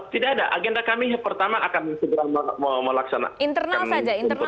tidak ada agenda kami yang pertama akan melaksanakan internal saja